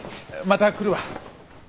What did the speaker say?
また来るわ。